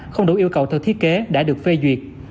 không đủ yêu cầu theo thiết kế đã được phê duyệt